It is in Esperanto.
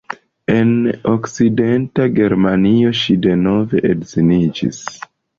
En Okcidenta Germanio ŝi denove edziniĝis.